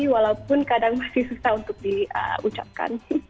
walaupun kadang masih susah untuk diucapkan